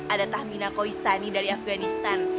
ada tahmina koistani dari afganistan